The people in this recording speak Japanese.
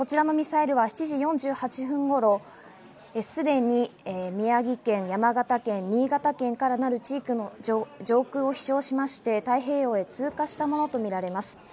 こちらのミサイルは７時４８分頃、すでに宮城県、山形県、新潟県からなる地域の上空を飛翔しまして太平洋を通過したものとみられます。